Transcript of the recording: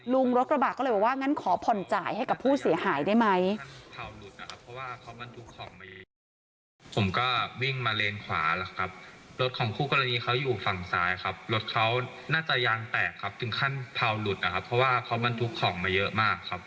ลุงรถกระบะก็เลยบอกว่างั้นขอผ่อนจ่ายให้กับผู้เสียหายได้ไหม